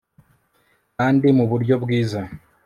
kandi muburyo bwiza